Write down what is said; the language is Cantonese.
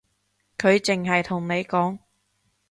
佢淨係同你講